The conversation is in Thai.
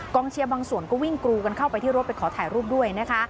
เชียร์บางส่วนก็วิ่งกรูกันเข้าไปที่รถไปขอถ่ายรูปด้วยนะคะ